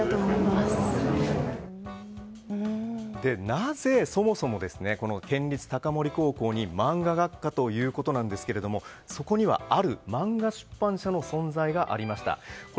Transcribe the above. なぜそもそも県立高森高校にマンガ学科ということなんですがそこにはある漫画出版社の存在がありました。